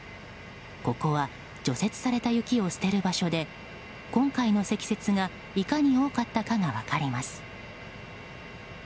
ここは除雪された雪を捨てる場所で今回の積雪がいかに多かったかが分かります。